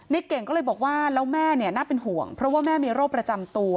เก่งก็เลยบอกว่าแล้วแม่เนี่ยน่าเป็นห่วงเพราะว่าแม่มีโรคประจำตัว